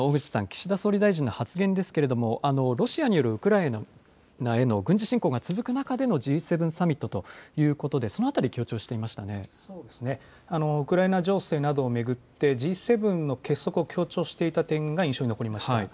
岸田総理大臣の発言ですけれどもロシアによるウクライナへの軍事侵攻が続く中でのＧ７サミットということでウクライナ情勢などを巡ってＧ７の結束を強調していた点が印象に残りました。